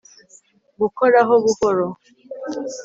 gukoraho buhoro